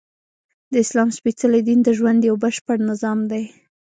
د اسلام سپیڅلی دین د ژوند یؤ بشپړ نظام دی!